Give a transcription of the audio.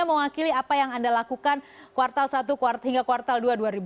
ini semuanya mewakili apa yang anda lakukan kuartal satu hingga kuartal dua dua ribu tujuh belas